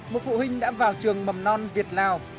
một phụ huynh đã vào trường mầm non việt lào